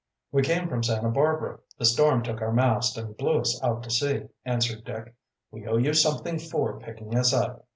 "We came from Santa Barbara. The storm took our mast, and blew us out to sea," answered Dick. "We owe you something for, picking us up."